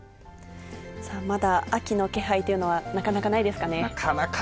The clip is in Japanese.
まだ秋の気配というのは、なかなかないですね。